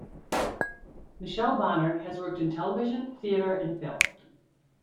Michelle Bonnard has worked in television, theatre and film.